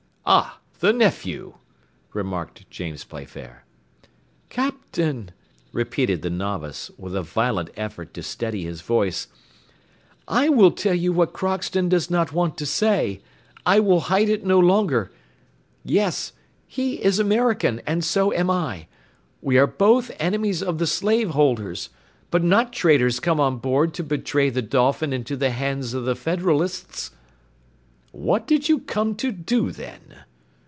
"Ah! the nephew!" remarked James Playfair. "Captain," repeated the novice, with a violent effort to steady his voice, "I will tell you what Crockston does not want to say. I will hide it no longer; yes, he is American, and so am I; we are both enemies of the slave holders, but not traitors come on board to betray the Dolphin into the hands of the Federalists." "What did you come to do, then?"